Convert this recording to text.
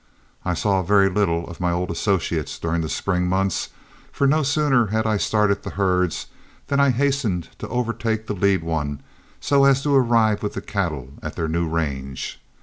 I saw very little of my old associates during the spring months, for no sooner had I started the herds than I hastened to overtake the lead one so as to arrive with the cattle at their new range.